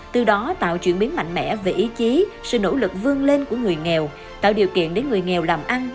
từ đó tạo chuyển biến mạnh mẽ về ý chí sự nỗ lực vương lên của người nghèo tạo điều kiện để người nghèo làm ăn